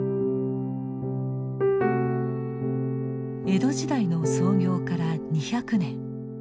江戸時代の創業から２００年。